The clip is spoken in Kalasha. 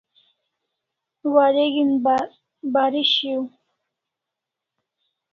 Wareg'in bari shiau